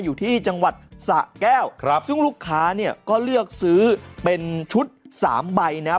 อยู่ที่จังหวัดสะแก้วครับซึ่งลูกค้าเนี่ยก็เลือกซื้อเป็นชุดสามใบนะครับ